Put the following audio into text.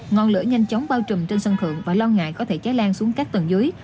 ngọn lửa nhanh chóng bao trùm trên sân thượng và lo ngại có thể cháy lan xuống các tầng dưới